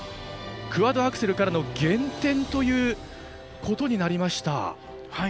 クアッドアクセルからの減点ということになりました。